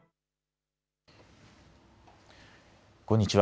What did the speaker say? こんにちは。